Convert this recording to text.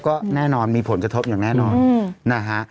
แล้วก็แน่นอนมีผลกระทบอย่างแน่นอน